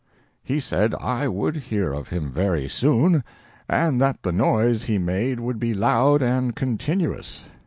He said I would hear of him very soon, and that the noise he made would be loud and continuous.